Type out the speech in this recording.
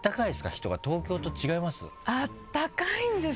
人が東京と違います？